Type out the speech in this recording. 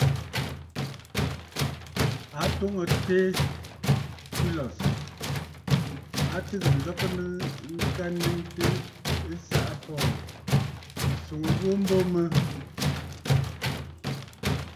A twoŋə̀ Tertullus, a tɨgə̀ ǹlɔgɨnə ŋka nnɨŋtə ɨsaʼa Paul, ǹswoŋə ghu mbo mə.